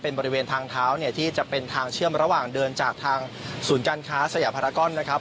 เป็นบริเวณทางเท้าเนี่ยที่จะเป็นทางเชื่อมระหว่างเดินจากทางศูนย์การค้าสยาพารากอนนะครับ